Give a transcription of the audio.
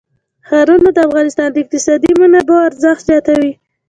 ښارونه د افغانستان د اقتصادي منابعو ارزښت زیاتوي.